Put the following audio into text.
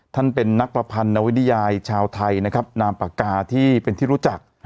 ท่านเป็นนักประพันนวิทยายชาวไทยนะครับนามปากกาที่เป็นที่รู้จัก